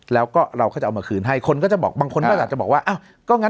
แล้วก็เราก็จะเอามาคืนให้บางคนก็จะบอกว่า